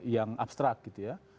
yang abstrak gitu ya